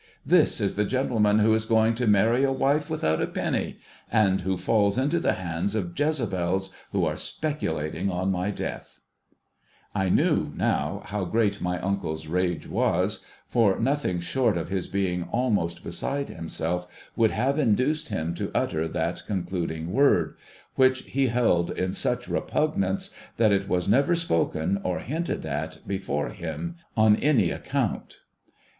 This is the gentleman who is going to marry a wife without a penny, and who falls into the hands of Jezabels who are speculating on my death !' I knew, now, how great my uncle's rage was ; for nothing short of his being almost beside himself would have induced him to utter that concluding word, which he held in such repugnance that it was never spoken or hinted at before him on any account.